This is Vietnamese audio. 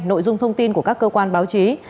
nội dung thông tin của các cơ quan báo chí